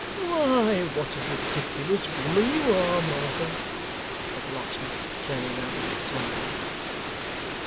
'Why, what a ridiculous woman you are, Martha,' said the locksmith, turning round with a smile.